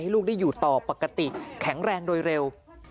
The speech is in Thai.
ลูกได้อยู่ต่อปกติแข็งแรงโดยเร็ว